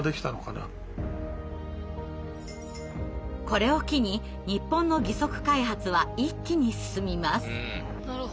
これを機に日本の義足開発は一気に進みます。